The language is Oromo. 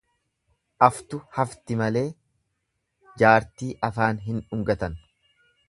Aftu hafti malee jaartii afaan hin dhungatan.